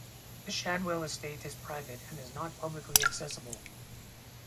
The Shadwell estate is private and is not publicly accessible.